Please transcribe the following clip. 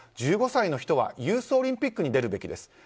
１５歳の人はユースオリンピックに出るべきです。